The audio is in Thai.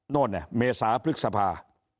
โน้นเนี้ยเมษาพฤกษภา